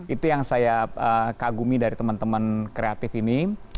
itu yang saya kagumi dari teman teman kreatif ini